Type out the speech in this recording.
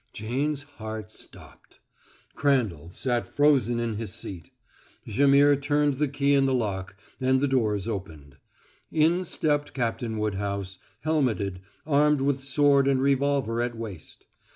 Jane's heart stopped. Crandall sat frozen in his seat. Jaimihr turned the key in the lock, and the doors opened. In stepped Captain Woodhouse, helmeted, armed with sword and revolver at waist.